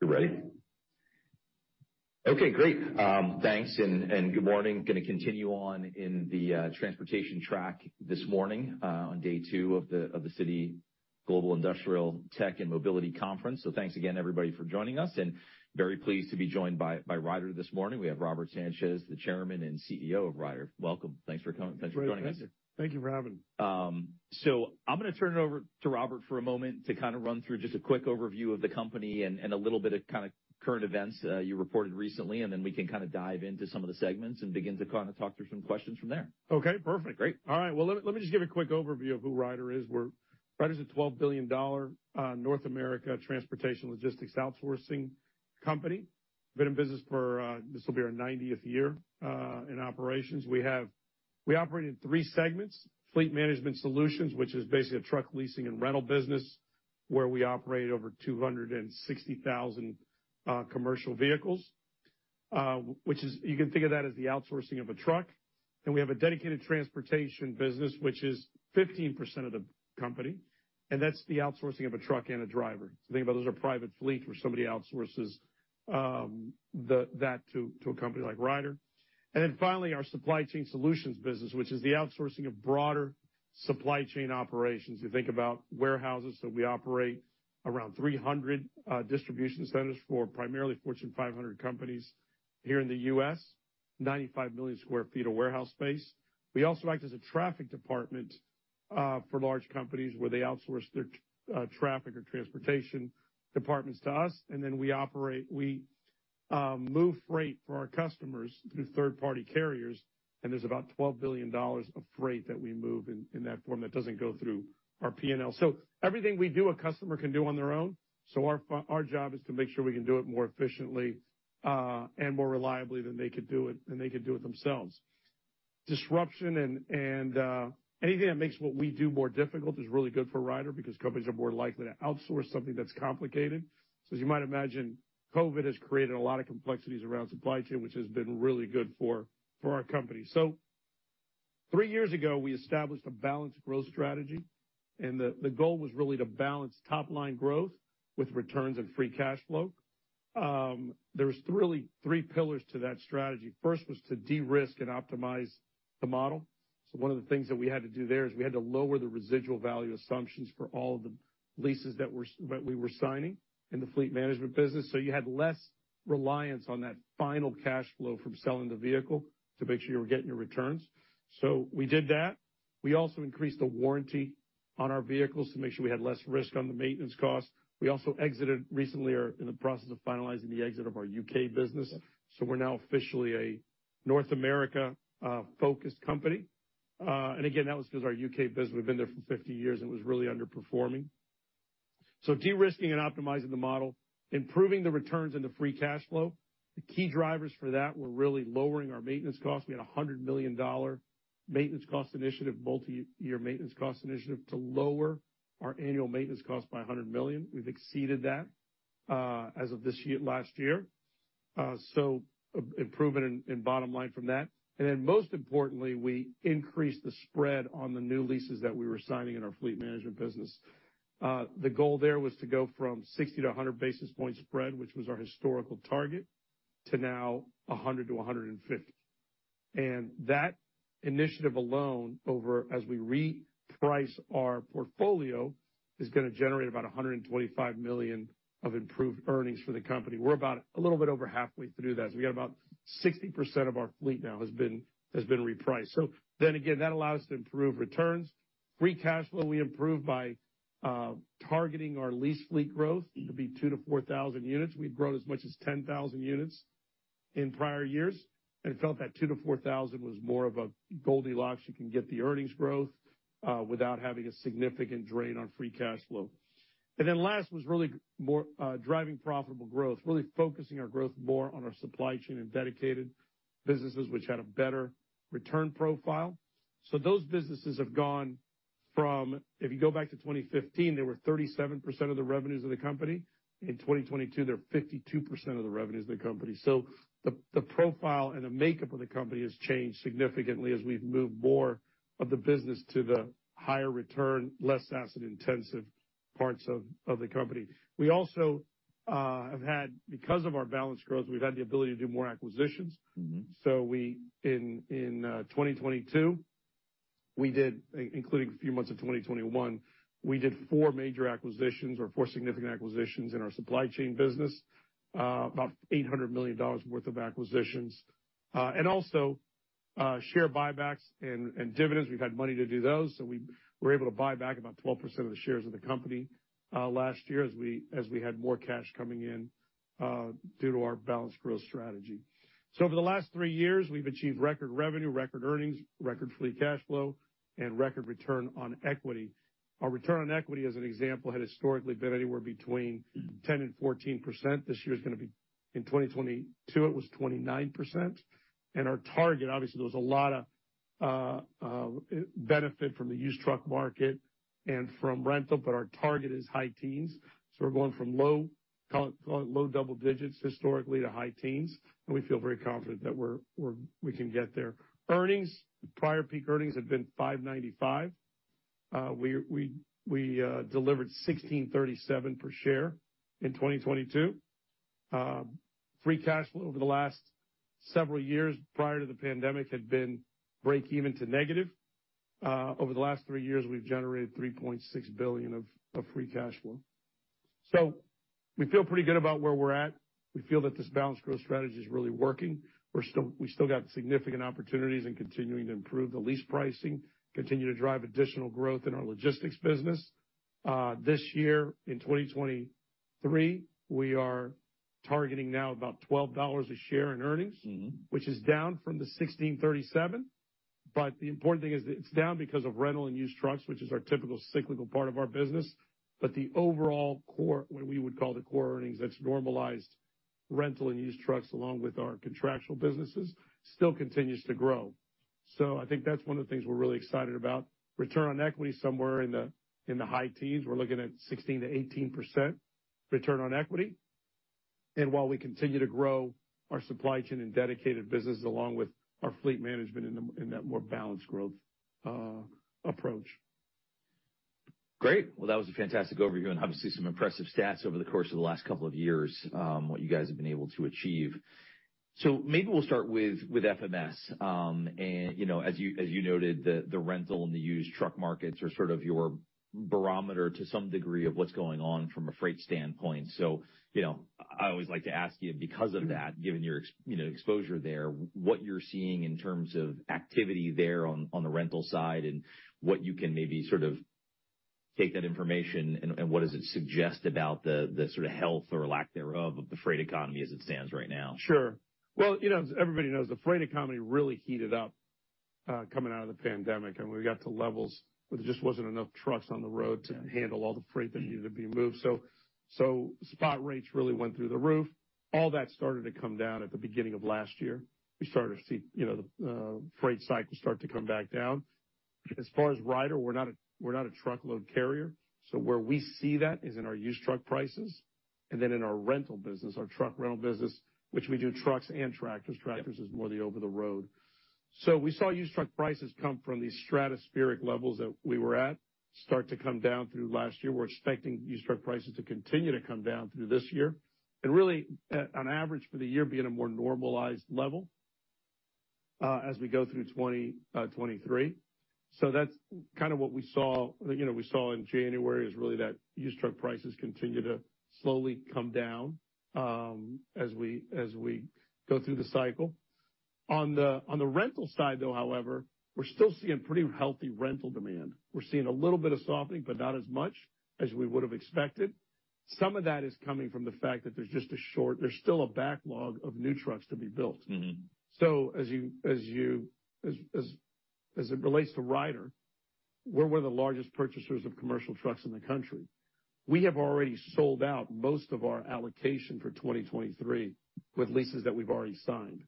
Thanks and good morning. Gonna continue on in the transportation track this morning on day two of the Citi Global Industrial Tech and Mobility Conference. Thanks again everybody for joining us and very pleased to be joined by Ryder this morning. We have Robert Sanchez, the Chairman and CEO of Ryder. Welcome. Thanks for coming. Thanks for joining us. Thank you for having me. I'm gonna turn it over to Robert for a moment to kind of run through just a quick overview of the company and a little bit of kind of current events, you reported recently, and then we can kind of dive into some of the segments and begin to kind of talk through some questions from there. Okay, perfect. Great. All right. Well, let me just give a quick overview of who Ryder is. Ryder's a $12 billion North America transportation logistics outsourcing company. Been in business for this will be our ninetieth year in operations. We operate in three segments. Fleet Management Solutions, which is basically a truck leasing and rental business where we operate over 260,000 commercial vehicles, which is, you can think of that as the outsourcing of a truck. We have a Dedicated Transportation business which is 15% of the company, that's the outsourcing of a truck and a driver. Think about it as a private fleet where somebody outsources that to a company like Ryder. Finally, our Supply Chain Solutions business, which is the outsourcing of broader supply chain operations. You think about warehouses that we operate around 300 distribution centers for primarily Fortune 500 companies here in the U.S., 95 million sq ft of warehouse space. We also act as a traffic department for large companies where they outsource their traffic or transportation departments to us, and then we operate, move freight for our customers through third-party carriers, and there's about $12 billion of freight that we move in that form that doesn't go through our P&L. Everything we do, a customer can do on their own. Our job is to make sure we can do it more efficiently and more reliably than they could do it themselves. Disruption and anything that makes what we do more difficult is really good for Ryder because companies are more likely to outsource something that's complicated. As you might imagine, COVID has created a lot of complexities around supply chain, which has been really good for our company. Three years ago, we established a balanced growth strategy, and the goal was really to balance top-line growth with returns and free cash flow. There was really three pillars to that strategy. First was to de-risk and optimize the model. One of the things that we had to do there is we had to lower the residual value assumptions for all of the leases that we were signing in the Fleet Management business. You had less reliance on that final cash flow from selling the vehicle to make sure you were getting your returns. We did that. We also increased the warranty on our vehicles to make sure we had less risk on the maintenance costs. We also exited recently or are in the process of finalizing the exit of our U.K. business. We're now officially a North America focused company. Again, that was because our U.K. business, we've been there for 50 years and was really underperforming. De-risking and optimizing the model, improving the returns into free cash flow. The key drivers for that were really lowering our maintenance costs. We had a $100 million maintenance cost initiative, multiyear maintenance cost initiative to lower our annual maintenance cost by $100 million. We've exceeded that as of this year, last year. So improving in bottom line from that. Most importantly, we increased the spread on the new leases that we were signing in our Fleet Management business. The goal there was to go from 60 to 100 basis points spread, which was our historical target, to now 100 to 150. That initiative alone over, as we reprice our portfolio, is gonna generate about $125 million of improved earnings for the company. We're about a little bit over halfway through that. We got about 60% of our fleet now has been repriced. Again, that allows us to improve returns. Free cash flow, we improve by targeting our lease fleet growth to be 2,000-4,000 units. We've grown as much as 10,000 units in prior years and felt that 2,000-4,000 was more of a Goldilocks. You can get the earnings growth without having a significant drain on free cash flow. Last was really more driving profitable growth, really focusing our growth more on our supply chain and dedicated businesses, which had a better return profile. Those businesses have gone from, if you go back to 2015, they were 37% of the revenues of the company. In 2022, they're 52% of the revenues of the company. The profile and the makeup of the company has changed significantly as we've moved more of the business to the higher return, less asset-intensive parts of the company. We also, have had, because of our balanced growth, we've had the ability to do more acquisitions. Mm-hmm. We, in 2022, including a few months of 2021, did four major acquisitions or four significant acquisitions in our supply chain business, about $800 million worth of acquisitions. Also, share buybacks and dividends. We've had money to do those. We were able to buy back about 12% of the shares of the company last year as we had more cash coming in due to our balanced growth strategy. Over the last three years, we've achieved record revenue, record earnings, record free cash flow, and record return on equity. Our return on equity, as an example, had historically been anywhere between 10% and 14%. In 2022, it was 29%. Our target, obviously, there was a lot of benefit from the used truck market and from rental, but our target is high teens. We're going from low, call it low double digits historically to high teens. We feel very confident that we can get there. Earnings. Prior peak earnings have been $5.95. We delivered $16.37 per share in 2022. Free cash flow over the last several years prior to the pandemic had been breakeven to negative. Over the last three years, we've generated $3.6 billion of free cash flow. We feel pretty good about where we're at. We feel that this balanced growth strategy is really working. We still got significant opportunities and continuing to improve the lease pricing, continue to drive additional growth in our logistics business. This year in 2023, we are targeting now about $12 a share in earnings. Mm-hmm. Which is down from the $16.37. The important thing is it's down because of rental and used trucks, which is our typical cyclical part of our business. The overall core, what we would call the core earnings, that's normalized rental and used trucks along with our contractual businesses, still continues to grow. I think that's one of the things we're really excited about. Return on equity somewhere in the high teens. We're looking at 16%-18% return on equity. While we continue to grow our supply chain and dedicated businesses along with our fleet management in that more balanced growth approach. Great. Well, that was a fantastic overview and obviously some impressive stats over the course of the last couple of years, what you guys have been able to achieve. Maybe we'll start with FMS. You know, as you, as you noted, the rental and the used truck markets are sort of your barometer to some degree of what's going on from a freight standpoint. You know, I always like to ask you, because of that, given your exposure there, what you're seeing in terms of activity there on the rental side, and what you can maybe sort of take that information and what does it suggest about the sort of health or lack thereof of the freight economy as it stands right now? Sure. Well, you know, as everybody knows, the freight economy really heated up, coming out of the pandemic, and we got to levels where there just wasn't enough trucks on the road to handle all the freight that needed to be moved. Spot rates really went through the roof. All that started to come down at the beginning of last year. We started to see, you know, freight cycles start to come back down. As far as Ryder, we're not a truckload carrier, so where we see that is in our used truck prices and then in our rental business, our truck rental business, which we do trucks and tractors. Yeah. Tractors is more the over-the-road. We saw used truck prices come from these stratospheric levels that we were at, start to come down through last year. We're expecting used truck prices to continue to come down through this year, and really, on average for the year, be in a more normalized level, as we go through 2023. That's kind of what we saw. You know, we saw in January is really that used truck prices continue to slowly come down, as we go through the cycle. On the rental side, though, however, we're still seeing pretty healthy rental demand. We're seeing a little bit of softening, but not as much as we would have expected. Some of that is coming from the fact that there's still a backlog of new trucks to be built. Mm-hmm. As it relates to Ryder, we're one of the largest purchasers of commercial trucks in the country. We have already sold out most of our allocation for 2023 with leases that we've already signed.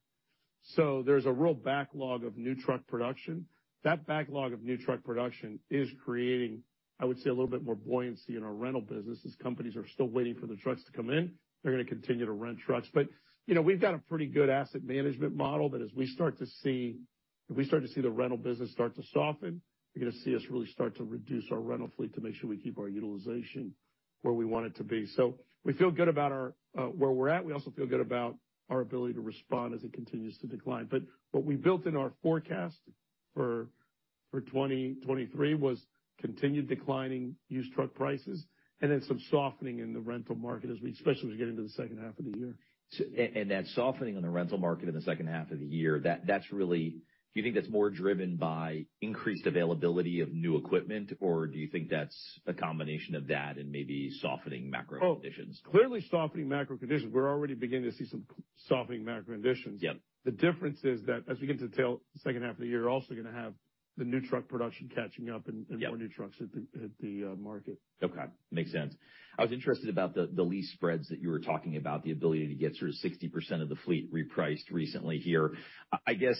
There's a real backlog of new truck production. That backlog of new truck production is creating, I would say, a little bit more buoyancy in our rental business as companies are still waiting for the trucks to come in. They're gonna continue to rent trucks. You know, we've got a pretty good asset management model that as we start to see, if we start to see the rental business start to soften, you're gonna see us really start to reduce our rental fleet to make sure we keep our utilization where we want it to be. We feel good about our where we're at. We also feel good about our ability to respond as it continues to decline. What we built in our forecast for 2023 was continued declining used truck prices and then some softening in the rental market as we, especially as we get into the second half of the year. That softening in the rental market in the second half of the year, that's really. Do you think that's more driven by increased availability of new equipment, or do you think that's a combination of that and maybe softening macro conditions? Clearly softening macro conditions. We're already beginning to see some softening macro conditions. Yeah. The difference is that as we get to the tail, second half of the year, also gonna have the new truck production catching up and more new trucks at the market. Okay. Makes sense. I was interested about the lease spreads that you were talking about, the ability to get sort of 60% of the fleet repriced recently here. I guess.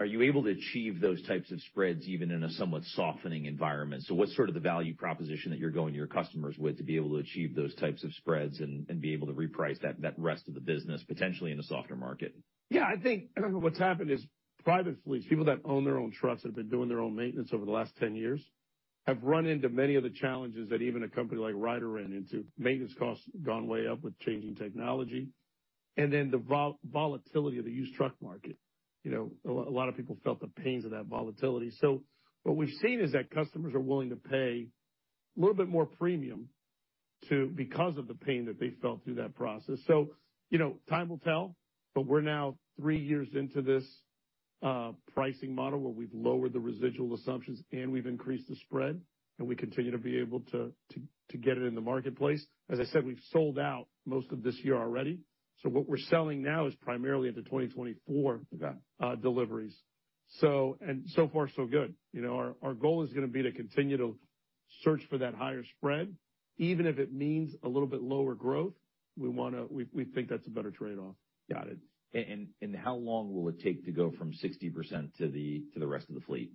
Are you able to achieve those types of spreads even in a somewhat softening environment? What's sort of the value proposition that you're going to your customers with to be able to achieve those types of spreads and be able to reprice that rest of the business potentially in a softer market? I think what's happened is private fleets, people that own their own trucks have been doing their own maintenance over the last 10 years, have run into many of the challenges that even a company like Ryder ran into. Maintenance costs have gone way up with changing technology. Then the volatility of the used truck market. You know, a lot of people felt the pains of that volatility. What we've seen is that customers are willing to pay a little bit more premium to, because of the pain that they felt through that process. You know, time will tell, but we're now three years into this pricing model where we've lowered the residual assumptions and we've increased the spread, and we continue to be able to get it in the marketplace. As I said, we've sold out most of this year already. What we're selling now is primarily into 2024. Okay. Deliveries. So far, so good. You know, our goal is gonna be to continue to search for that higher spread. Even if it means a little bit lower growth, we wanna, we think that's a better trade-off. Got it. How long will it take to go from 60% to the rest of the fleet?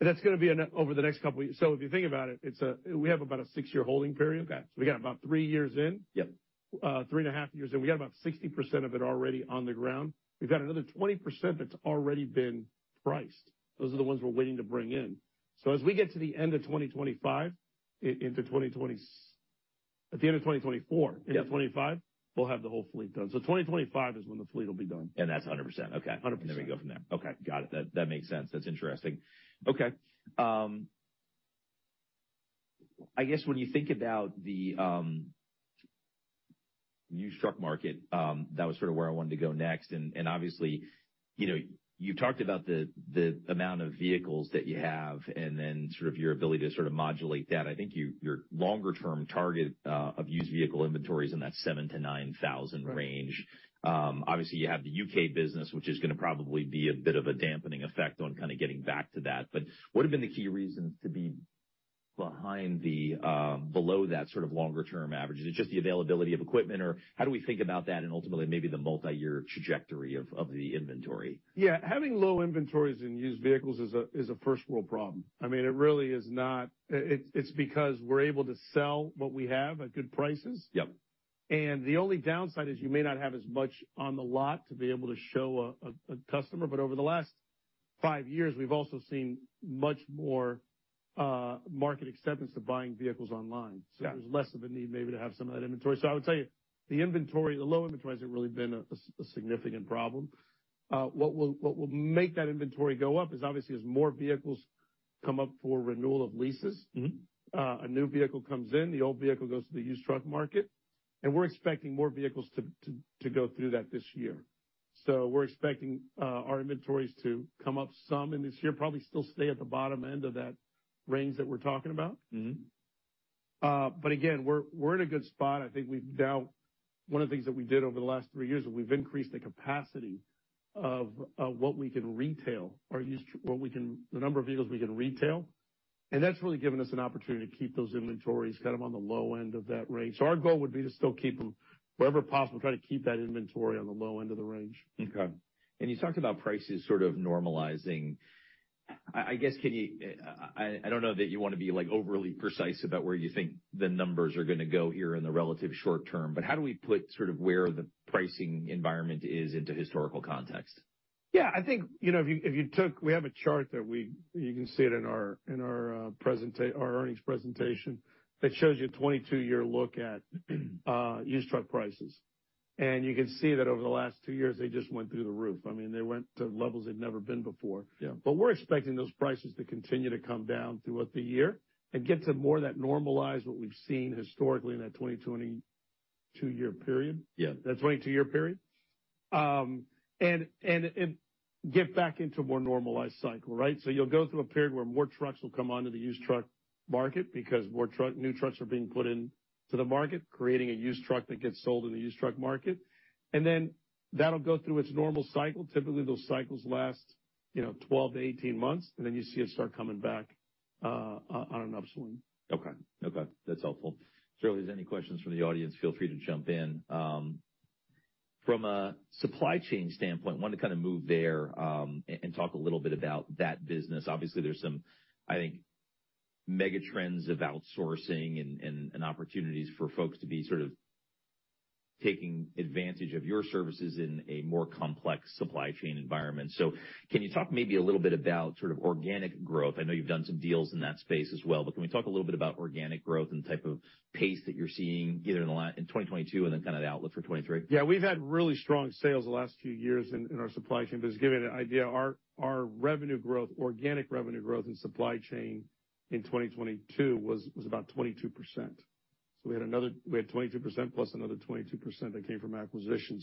That's gonna be over the next couple years. If you think about it, we have about a six-year holding period. Okay. We got about three years in. Yep. Three and a half years in. We got about 60% of it already on the ground. We've got another 20% that's already been priced. Those are the ones we're waiting to bring in. At the end of 2024. Yeah. End of 2025, we'll have the whole fleet done. 2025 is when the fleet will be done. That's 100%? Okay. 100%. Then we go from there. Okay, got it. That, that makes sense. That's interesting. Okay. I guess when you think about the used truck market, that was sort of where I wanted to go next. Obviously, you know, you've talked about the amount of vehicles that you have and then sort of your ability to sort of modulate that. I think your longer-term target of used vehicle inventory is in that 7,000-9,000 range. Obviously, you have the U.K. business, which is going to probably be a bit of a dampening effect on kind of getting back to that. What have been the key reasons to be behind the below that sort of longer-term average? Is it just the availability of equipment, or how do we think about that and ultimately maybe the multiyear trajectory of the inventory? Yeah. Having low inventories in used vehicles is a first-world problem. I mean, it really is not. It's because we're able to sell what we have at good prices. Yep. The only downside is you may not have as much on the lot to be able to show a customer, but over the last five years, we've also seen much more market acceptance to buying vehicles online. Yeah. There's less of a need maybe to have some of that inventory. I would tell you, the inventory, the low inventory hasn't really been a significant problem. What will make that inventory go up is obviously as more vehicles come up for renewal of leases. Mm-hmm. A new vehicle comes in, the old vehicle goes to the used truck market. We're expecting more vehicles to go through that this year. We're expecting our inventories to come up some in this year, probably still stay at the bottom end of that range that we're talking about. Mm-hmm. Again, we're in a good spot. One of the things that we did over the last three years is we've increased the capacity of what we can retail. The number of vehicles we can retail, and that's really given us an opportunity to keep those inventories kind of on the low end of that range. Our goal would be to still keep them wherever possible, try to keep that inventory on the low end of the range. Okay. You talked about prices sort of normalizing. I guess, can you, I don't know that you wanna be, like, overly precise about where you think the numbers are gonna go here in the relative short term, how do we put sort of where the pricing environment is into historical context? Yeah. I think, you know, if you took. We have a chart that you can see it in our earnings presentation, that shows you a 22-year look at used truck prices. You can see that over the last two years, they just went through the roof. I mean, they went to levels they'd never been before. Yeah. We're expecting those prices to continue to come down throughout the year and get to more of that normalized, what we've seen historically in that 2022 year period. Yeah. That 22-year period. Get back into a more normalized cycle, right? You'll go through a period where more trucks will come onto the used truck market because new trucks are being put into the market, creating a used truck that gets sold in the used truck market. That'll go through its normal cycle. Typically, those cycles last, you know, 12-18 months, and then you see it start coming back on an upswing. Okay. Okay, that's helpful. Charlie, if there's any questions from the audience, feel free to jump in. From a supply chain standpoint, wanted to kinda move there, and talk a little bit about that business. Obviously, there's some, I think, megatrends of outsourcing and opportunities for folks to be sort of taking advantage of your services in a more complex supply chain environment. Can you talk maybe a little bit about sort of organic growth? I know you've done some deals in that space as well, but can we talk a little bit about organic growth and the type of pace that you're seeing either in 2022 and then kind of the outlook for 2023? Yeah. We've had really strong sales the last few years in our supply chain. Just to give you an idea, our revenue growth, organic revenue growth in supply chain in 2022 was about 22%. We had 22% plus another 22% that came from acquisition.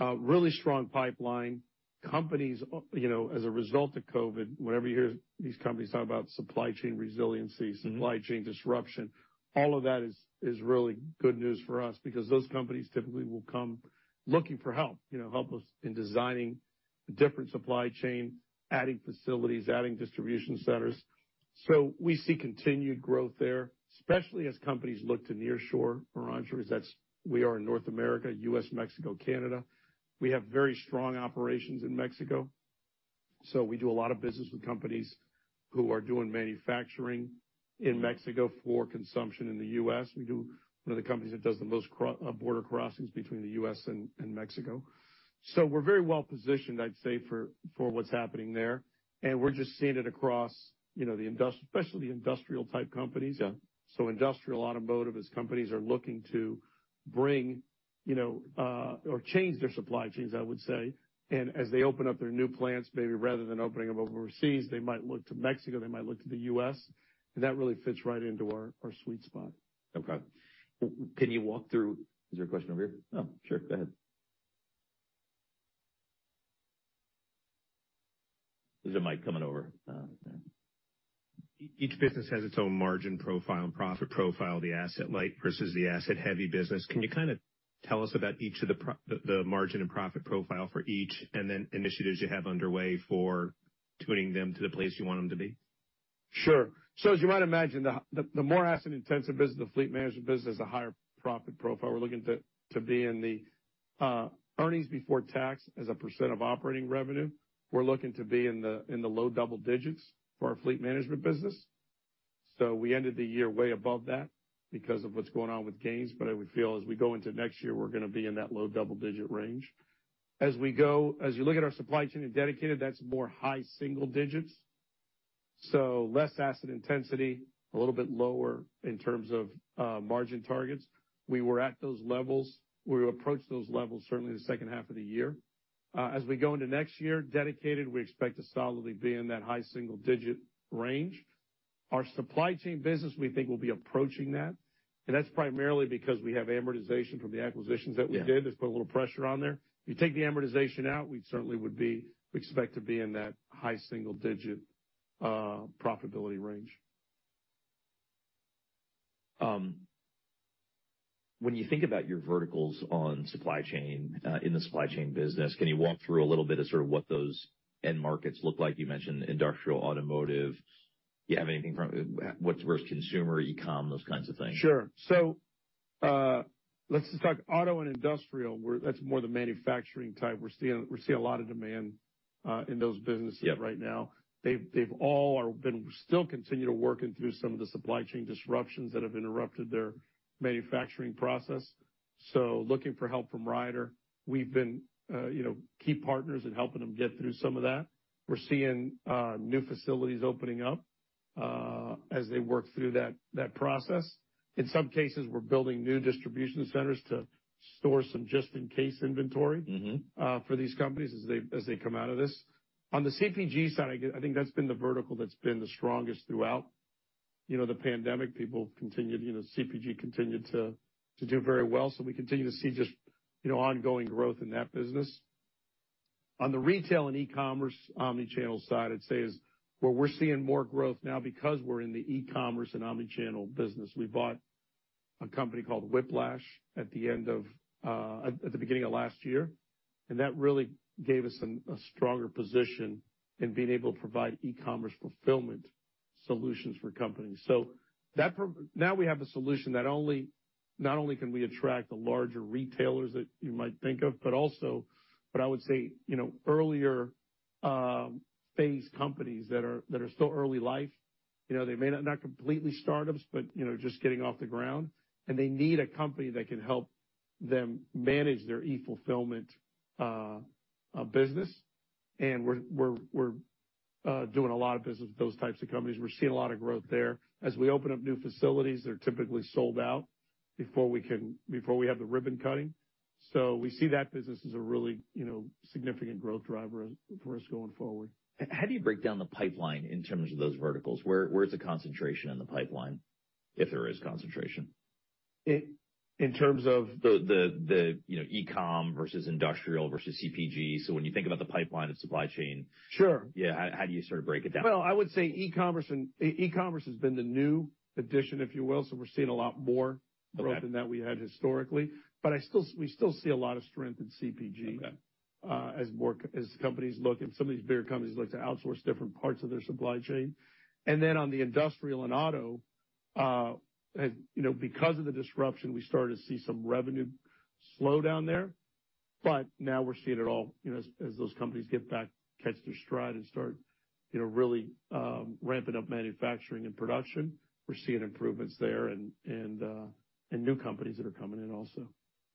Really strong pipeline. Companies, you know, as a result of COVID, whenever you hear these companies talk about supply chain resiliency. Mm-hmm. Supply chain disruption, all of that is really good news for us because those companies typically will come looking for help, you know, help us in designing different supply chains, adding facilities, adding distribution centers. We see continued growth there, especially as companies look to nearshore arrangements. We are in North America, U.S., Mexico, Canada. We have very strong operations in Mexico, so we do a lot of business with companies who are doing manufacturing in Mexico for consumption in the U.S. One of the companies that does the most border crossings between the U.S. and Mexico. We're very well-positioned, I'd say, for what's happening there, and we're just seeing it across, you know, especially the industrial type companies. Yeah. Industrial, automotive, as companies are looking to bring, you know, or change their supply chains, I would say. As they open up their new plants, maybe rather than opening them up overseas, they might look to Mexico, they might look to the US, and that really fits right into our sweet spot. Okay. Is there a question over here? Oh, sure. Go ahead. There's a mic coming over. Each business has its own margin profile and profit profile, the asset light versus the asset-heavy business. Can you kinda tell us about each of the margin and profit profile for each and then initiatives you have underway for tuning them to the place you want them to be? Sure. As you might imagine, the more asset-intensive business, the Fleet Management business has a higher profit profile. We're looking to be in the earnings before tax as a percent of operating revenue. We're looking to be in the low double digits for our Fleet Management business. We ended the year way above that because of what's going on with gains, but I would feel as we go into next year, we're gonna be in that low double-digit range. As we go, as you look at our Supply Chain and Dedicated, that's more high single digits. Less asset intensity, a little bit lower in terms of margin targets. We were at those levels. We approached those levels certainly in the second half of the year. As we go into next year, Dedicated, we expect to solidly be in that high single digit range. Our Supply Chain business, we think will be approaching that. That's primarily because we have amortization from the acquisitions that we did. Yeah. There's probably a little pressure on there. You take the amortization out, we certainly would be, we expect to be in that high single digit, profitability range. When you think about your verticals on supply chain, in the supply chain business, can you walk through a little bit of sort of what those end markets look like? You mentioned industrial, automotive. Do you have anything from, where's, consumer, e-comm, those kinds of things? Sure. Let's just talk auto and industrial, where that's more the manufacturing type. We're seeing a lot of demand in those businesses right now. Yeah. They've all are been still continue to working through some of the supply chain disruptions that have interrupted their manufacturing process. Looking for help from Ryder, we've been, you know, key partners in helping them get through some of that. We're seeing new facilities opening up as they work through that process. In some cases, we're building new distribution centers to store some just-in-case inventory. Mm-hmm. For these companies, as they come out of this. On the CPG side, I think that's been the vertical that's been the strongest throughout. You know, the pandemic, people continued, you know, CPG continued to do very well, so we continue to see just, you know, ongoing growth in that business. On the retail and e-commerce omnichannel side, I'd say is where we're seeing more growth now because we're in the e-commerce and omnichannel business. We bought a company called Whiplash at the end of, at the beginning of last year, and that really gave us a stronger position in being able to provide e-commerce fulfillment solutions for companies. Now we have the solution that only, not only can we attract the larger retailers that you might think of, but also what I would say, you know, earlier phase companies that are still early life, you know, they may not completely startups, but you know, just getting off the ground. They need a company that can help them manage their e-fulfillment business. We're doing a lot of business with those types of companies. We're seeing a lot of growth there. As we open up new facilities, they're typically sold out before we have the ribbon cutting. We see that business as a really, you know, significant growth driver for us going forward. How do you break down the pipeline in terms of those verticals? Where is the concentration in the pipeline, if there is concentration? It, in terms of? The, you know, e-comm versus industrial versus CPG. When you think about the pipeline of supply chain. Sure. Yeah, how do you sort of break it down? Well, I would say e-commerce and, e-commerce has been the new addition, if you will. We're seeing a lot more growth than that we had historically. Okay. We still see a lot of strength in CPG. Okay. As companies look, and some of these bigger companies look to outsource different parts of their supply chain. On the industrial and auto, as, you know, because of the disruption, we started to see some revenue slow down there. Now we're seeing it all, you know, as those companies get back, catch their stride and start, you know, really, ramping up manufacturing and production. We're seeing improvements there and new companies that are coming in also.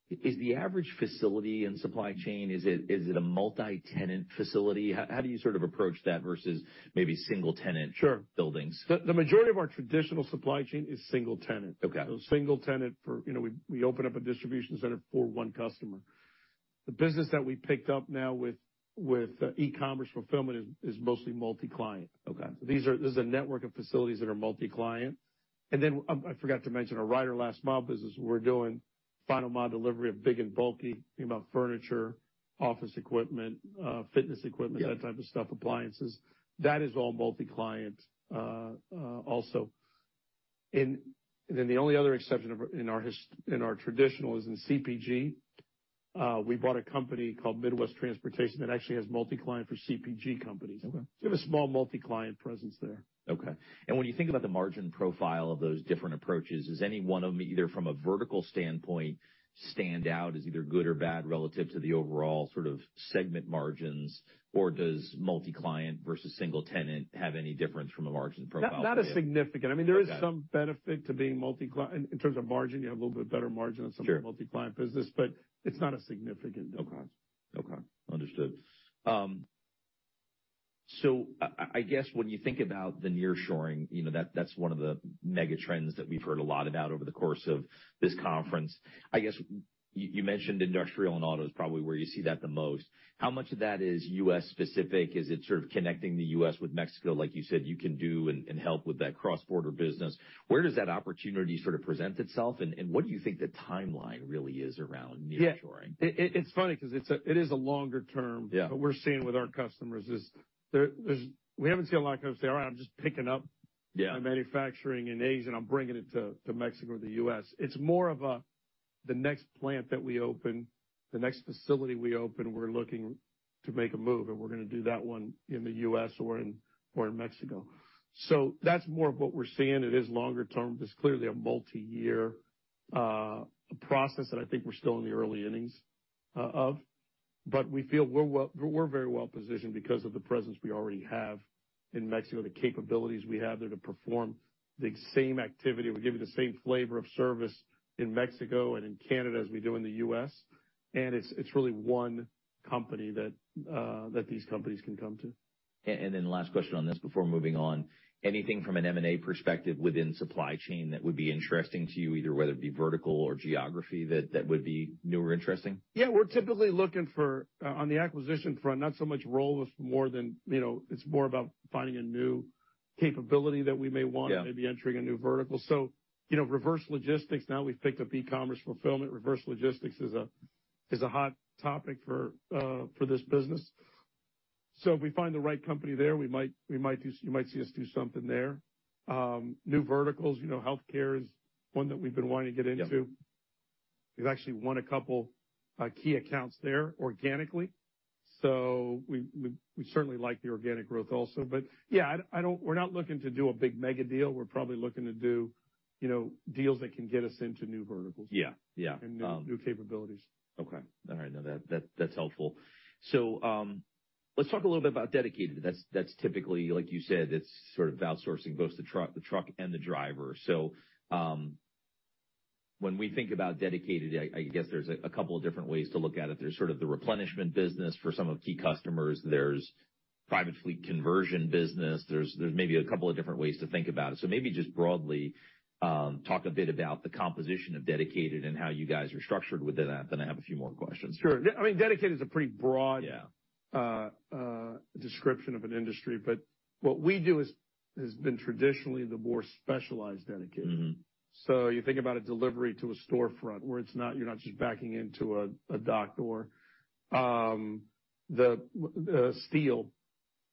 Is the average facility and supply chain, is it a multi-tenant facility? How do you sort of approach that versus maybe single tenant. Sure. Buildings? The majority of our traditional supply chain is single tenant. Okay. Single tenant for, you know, we open up a distribution center for one customer. The business that we picked up now with e-commerce fulfillment is mostly multi-client. Okay. This is a network of facilities that are multi-client. Then, I forgot to mention our Ryder Last Mile business. We're doing final mile delivery of big and bulky, think about furniture, office equipment, fitness equipment. Yeah. That type of stuff, appliances. That is all multi-client also. The only other exception of our, in our traditional is in CPG. We bought a company called Midwest Transportation that actually has multi-client for CPG companies. Okay. We have a small multi-client presence there. Okay. When you think about the margin profile of those different approaches, does any one of them, either from a vertical standpoint, stand out as either good or bad relative to the overall sort of segment margins? Does multi-client versus single tenant have any difference from a margin profile point of view? Not a significant. I mean, there is some benefit to being multi-client in terms of margin, you have a little bit better margin on some of the multi-client business. Sure. It's not a significant difference. Okay. Okay. Understood. I guess when you think about the nearshoring, you know, that's one of the megatrends that we've heard a lot about over the course of this conference. I guess you mentioned industrial and auto is probably where you see that the most. How much of that is U.S.-specific? Is it sort of connecting the U.S. with Mexico, like you said you can do and help with that cross-border business? Where does that opportunity sort of present itself, and what do you think the timeline really is around nearshoring? Yeah. It's funny because it is a longer term. Yeah. What we're seeing with our customers is, we haven't seen a lot of customers say, "All right, I'm just picking up. Yeah. My manufacturing in Asia and I'm bringing it to Mexico or the U.S." It's more of, "the next plant that we open, the next facility we open, we're looking to make a move, and we're gonna do that one in the U.S. or in Mexico." That's more of what we're seeing. It is longer term. It's clearly a multi-year process that I think we're still in the early innings of. We feel we're very well positioned because of the presence we already have in Mexico, the capabilities we have there to perform the same activity. We give you the same flavor of service in Mexico and in Canada as we do in the U.S. It's really one company that these companies can come to. Last question on this before moving on. Anything from an M&A perspective within supply chain that would be interesting to you, either whether it be vertical or geography that would be new or interesting? We're typically looking for, on the acquisition front, not so much role as more than, you know, it's more about finding a new capability that we may want. Yeah. Maybe entering a new vertical. So, you know, reverse logistics, now we've picked up e-commerce fulfillment. Reverse logistics is a hot topic for this business. If we find the right company there, you might see us do something there. New verticals, you know, healthcare is one that we've been wanting to get into. Yeah. We've actually won a couple key accounts there organically. We certainly like the organic growth also. Yeah, we're not looking to do a big mega deal. We're probably looking to do, you know, deals that can get us into new verticals. Yeah. Yeah. New capabilities. Okay. All right. No, that's helpful. Let's talk a little bit about Dedicated. That's typically, like you said, it's sort of outsourcing both the truck and the driver. When we think about Dedicated, I guess there's a couple of different ways to look at it. There's sort of the replenishment business for some of the key customers. There's private fleet conversion business. There's maybe a couple of different ways to think about it. Maybe just broadly, talk a bit about the composition of Dedicated and how you guys are structured within that, then I have a few more questions. Sure. I mean, Dedicated is a pretty broad. Yeah. Description of an industry. What we do has been traditionally the more specialized Dedicated. Mm-hmm. You think about a delivery to a storefront where you're not just backing into a dock door. The steel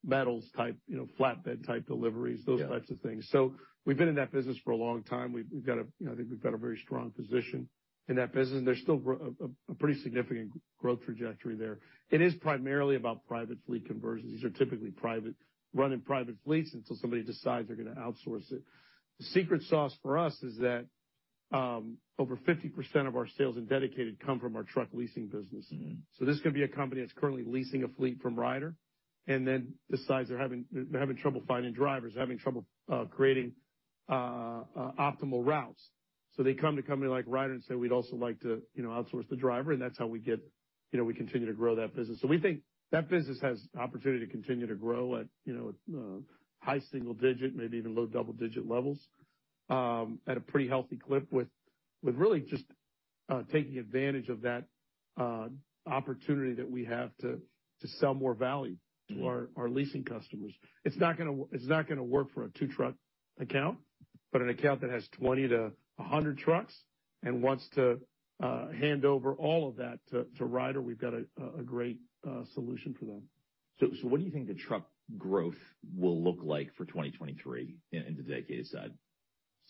metals type, you know, flatbed type deliveries. Yeah. Those types of things. We've been in that business for a long time. We've got a, you know, I think we've got a very strong position in that business, and there's still a pretty significant growth trajectory there. It is primarily about private fleet conversions. These are typically private, run in private fleets until somebody decides they're gonna outsource it. The secret sauce for us is that over 50% of our sales in Dedicated come from our truck leasing business. Mm-hmm. This can be a company that's currently leasing a fleet from Ryder and then decides they're having trouble finding drivers, having trouble creating optimal routes. They come to a company like Ryder and say, "We'd also like to, you know, outsource the driver." That's how we get, you know, we continue to grow that business. We think that business has opportunity to continue to grow at, you know, high single digit, maybe even low double-digit levels at a pretty healthy clip with really just taking advantage of that opportunity that we have to sell more value to our leasing customers. It's not gonna work for a two-truck account, but an account that has 20 to 100 trucks and wants to hand over all of that to Ryder, we've got a great solution for them. What do you think the truck growth will look like for 2023 in the Dedicated side?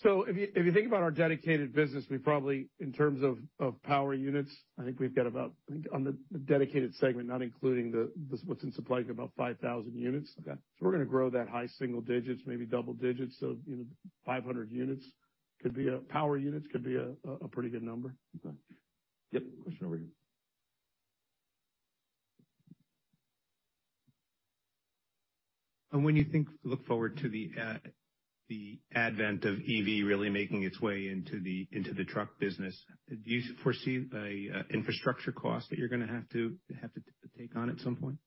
If you think about our Dedicated business, we probably, in terms of power units, I think we've got about, I think on the Dedicated segment, not including what's in supply, about 5,000 units. Okay. We're gonna grow that high single digits, maybe double digits. You know, 500 units could be power units, could be a pretty good number. Okay. Yep. Question over here. When you think, look forward to the advent of EV really making its way into the truck business, do you foresee a infrastructure cost that you're going to have to take on at some point?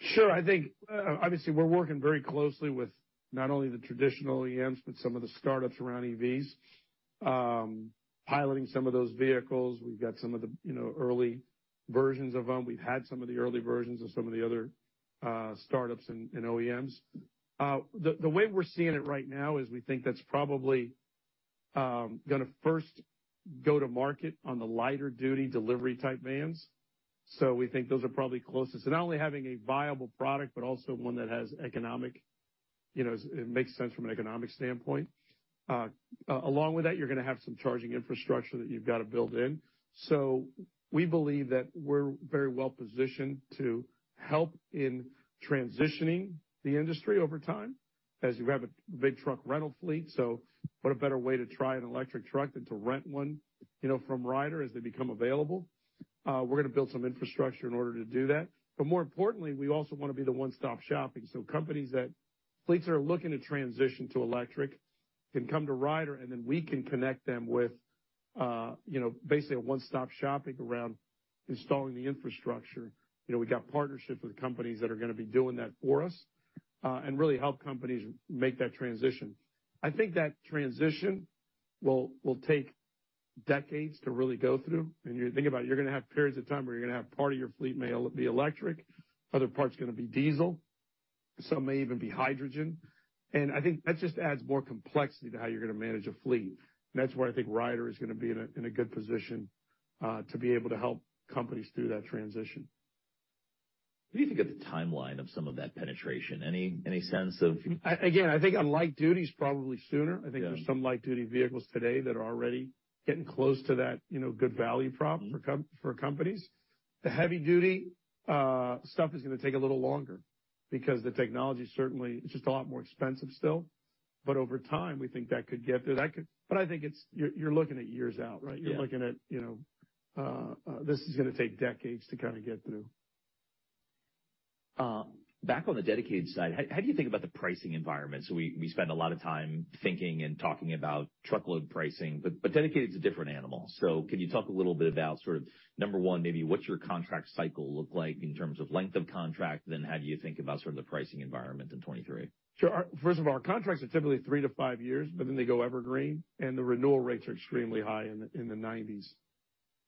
Sure. I think, obviously, we're working very closely with not only the traditional OEMs, but some of the startups around EVs, piloting some of those vehicles. We've got some of the, you know, early versions of them. We've had some of the early versions of some of the other startups and OEMs. The way we're seeing it right now is we think that's probably gonna first go to market on the lighter duty delivery type vans. We think those are probably closest. Not only having a viable product, but also one that has economic, you know, it makes sense from an economic standpoint. Along with that, you're gonna have some charging infrastructure that you've got to build in. We believe that we're very well positioned to help in transitioning the industry over time, as you have a big truck rental fleet. What a better way to try an electric truck than to rent one, you know, from Ryder as they become available. We're gonna build some infrastructure in order to do that. More importantly, we also want to be the one-stop shopping. Companies that, fleets that are looking to transition to electric can come to Ryder, and then we can connect them with, you know, basically a one-stop shopping around installing the infrastructure. You know, we got partnerships with companies that are gonna be doing that for us, and really help companies make that transition. I think that transition will take decades to really go through. You think about it, you're gonna have periods of time where you're gonna have part of your fleet may be electric, other parts gonna be diesel, some may even be hydrogen. I think that just adds more complexity to how you're gonna manage a fleet. That's where I think Ryder is gonna be in a good position to be able to help companies through that transition. What do you think of the timeline of some of that penetration? Any sense of? I think on light duties, probably sooner. Yeah. I think there's some light duty vehicles today that are already getting close to that, you know, good value prop for companies. The heavy duty stuff is gonna take a little longer because the technology certainly is just a lot more expensive still. Over time, we think that could get there. I think it's, you're looking at years out, right? Yeah. You're looking at, you know, this is gonna take decades to kind of get through. Back on the Dedicated side, how do you think about the pricing environment? We spend a lot of time thinking and talking about truckload pricing, but Dedicated is a different animal. Can you talk a little bit about sort of, number one, maybe what your contract cycle look like in terms of length of contract, then how do you think about sort of the pricing environment in 2023? Sure. First of all, our contracts are typically three to five years. They go evergreen, the renewal rates are extremely high, in the nineties.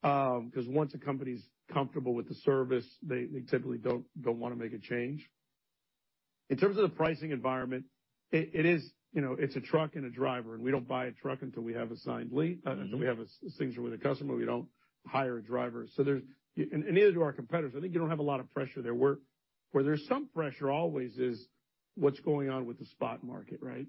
'Cause once a company's comfortable with the service, they typically don't wanna make a change. In terms of the pricing environment, it is, you know, it's a truck and a driver. We don't buy a truck until we have a signature with a customer. We don't hire a driver. Neither do our competitors. I think you don't have a lot of pressure there. Where there's some pressure always is what's going on with the spot market, right?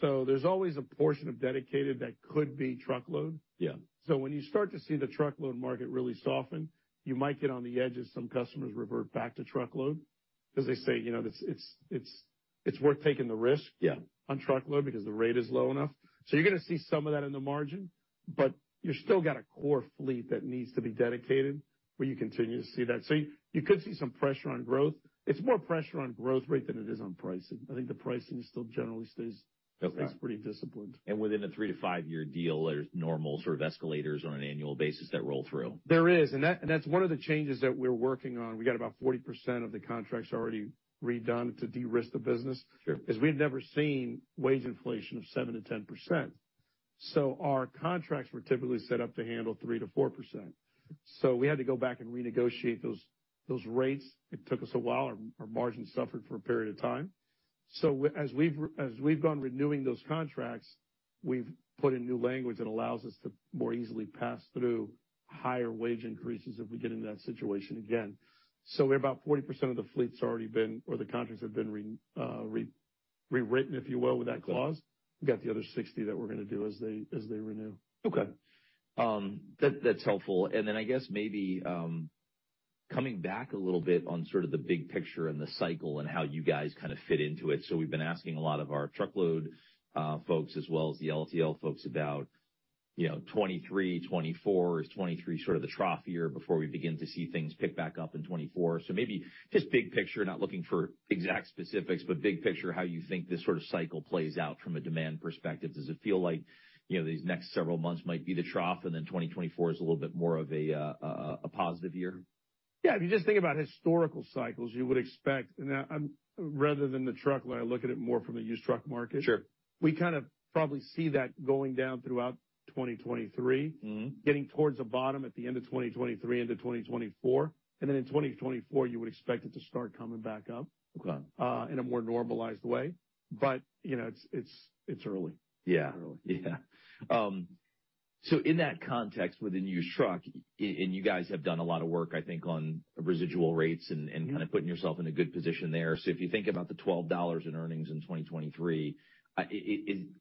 There's always a portion of Dedicated that could be truckload. Yeah. When you start to see the truckload market really soften, you might get on the edge as some customers revert back to truckload 'cause they say, you know, that it's worth taking the risk. Yeah. On truckload because the rate is low enough. You're gonna see some of that in the margin, but you still got a core fleet that needs to be dedicated, where you continue to see that. You could see some pressure on growth. It's more pressure on growth rate than it is on pricing. I think the pricing still generally stays Okay. Stays pretty disciplined. Within a three to five-year deal, there's normal sort of escalators on an annual basis that roll through. There is, and that's one of the changes that we're working on. We got about 40% of the contracts already redone to de-risk the business. Sure. We had never seen wage inflation of 7%-10%, so our contracts were typically set up to handle 3%-4%. We had to go back and renegotiate those rates. It took us a while. Our margins suffered for a period of time. As we've gone renewing those contracts, we've put in new language that allows us to more easily pass through higher wage increases if we get into that situation again. About 40% of the fleet's already been, or the contracts have been rewritten, if you will, with that clause. We've got the other 60% that we're gonna do as they renew. Okay. That's helpful. I guess maybe coming back a little bit on sort of the big picture and the cycle and how you guys kind of fit into it. We've been asking a lot of our truckload, folks as well as the LTL folks about, you know, 2023, 2024. Is 2023 sort of the trough year before we begin to see things pick back up in 2024? Maybe just big picture, not looking for exact specifics, but big picture, how you think this sort of cycle plays out from a demand perspective. Does it feel like, you know, these next several months might be the trough, and then 2024 is a little bit more of a positive year? Yeah. If you just think about historical cycles, you would expect. Now I'm, rather than the truckload, I look at it more from a used truck market. Sure. We kind of probably see that going down throughout 2023. Mm-hmm. Getting towards the bottom at the end of 2023 into 2024, and then in 2024, you would expect it to start coming back up. Okay. In a more normalized way. You know, it's, it's early. Yeah. Early. Yeah. In that context with a used truck, and you guys have done a lot of work, I think, on residual rates and kind of putting yourself in a good position there. If you think about the $12 in earnings in 2023,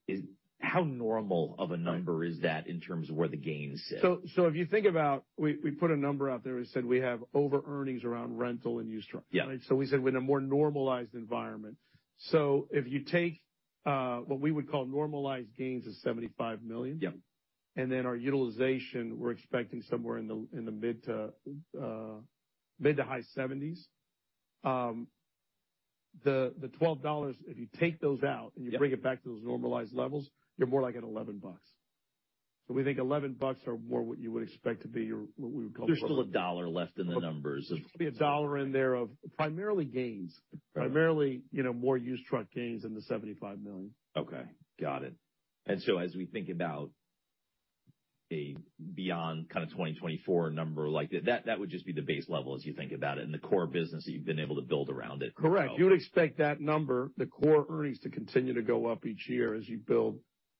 is, how normal of a number is that in terms of where the gains sit? So, if you think about, we put a number out there that said we have over-earnings around rental and used truck. Yeah. We said with a more normalized environment. If you take what we would call normalized gains of $75 million. Yeah. Our utilization, we're expecting somewhere in the mid to high 70s. The $12, if you take those out and you bring it back to those normalized levels, you're more like at $11. We think $11 are more what you would expect to be your. There's still $1 left in the numbers. A $1 in there of primarily gains. Okay. Primarily, you know, more used truck gains in the $75 million. Okay. Got it. As we think about a beyond kind of 2024 number, like that would just be the base level as you think about it and the core business that you've been able to build around it. Correct. You would expect that number, the core earnings, to continue to go up each year as you build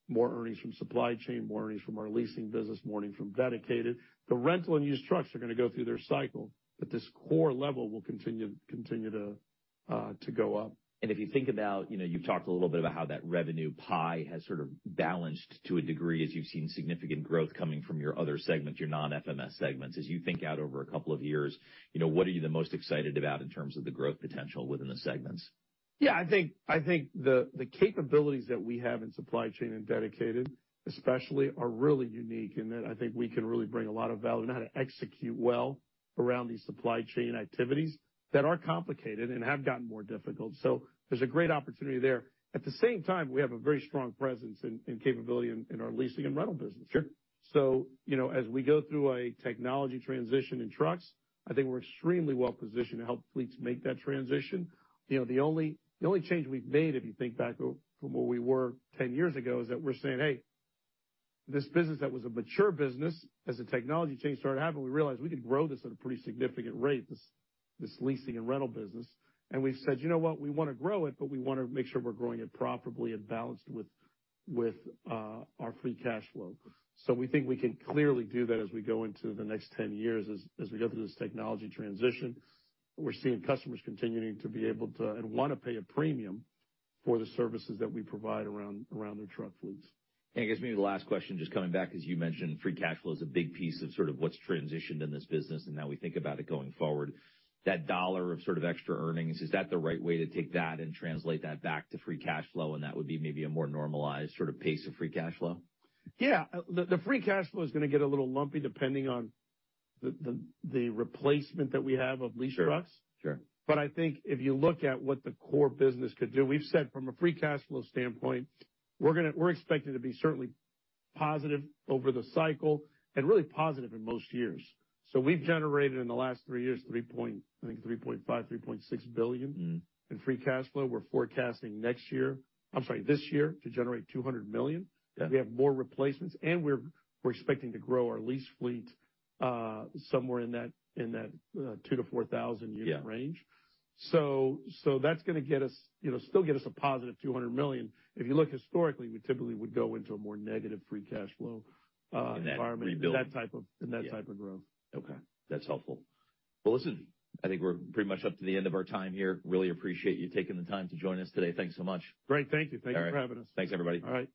more earnings from supply chain, more earnings from our leasing business, more earnings from Dedicated. The rental and used trucks are gonna go through their cycle, but this core level will continue to go up. If you think about, you know, you've talked a little bit about how that revenue pie has sort of balanced to a degree as you've seen significant growth coming from your other segments, your non-FMS segments. As you think out over a couple of years, you know, what are you the most excited about in terms of the growth potential within the segments? Yeah. I think the capabilities that we have in supply chain and Dedicated especially are really unique in that I think we can really bring a lot of value and how to execute well around these supply chain activities that are complicated and have gotten more difficult. There's a great opportunity there. At the same time, we have a very strong presence and capability in our leasing and rental business. Sure. You know, as we go through a technology transition in trucks, I think we're extremely well positioned to help fleets make that transition. You know, the only change we've made, if you think back from where we were 10 years ago, is that we're saying, "Hey, this business that was a mature business, as the technology change started happening, we realized we could grow this at a pretty significant rate, this leasing and rental business." We said, "You know what? We wanna grow it, but we wanna make sure we're growing it profitably and balanced with our free cash flow." We think we can clearly do that as we go into the next 10 years as we go through this technology transition. We're seeing customers continuing to be able to and wanna pay a premium for the services that we provide around their truck fleets. I guess maybe the last question, just coming back, as you mentioned, free cash flow is a big piece of sort of what's transitioned in this business and how we think about it going forward. That dollar of sort of extra earnings, is that the right way to take that and translate that back to free cash flow, and that would be maybe a more normalized sort of pace of free cash flow? Yeah. The free cash flow is gonna get a little lumpy depending on the replacement that we have of leased trucks. Sure. Sure. I think if you look at what the core business could do, we've said from a free cash flow standpoint, we're expecting to be certainly positive over the cycle and really positive in most years. We've generated, in the last three years, I think $3.5 billion, $3.6 billion in free cash flow. We're forecasting next year, I'm sorry, this year, to generate $200 million. Yeah. We have more replacements, and we're expecting to grow our lease fleet, somewhere in that 2,000-4,000 unit range. Yeah. That's gonna get us, you know, still get us a positive $200 million. If you look historically, we typically would go into a more negative free cash flow environment. In that rebuild. in that type of growth. Okay. That's helpful. Well, listen, I think we're pretty much up to the end of our time here. Really appreciate you taking the time to join us today. Thanks so much. Great. Thank you. All right. Thank you for having us. Thanks, everybody. All right.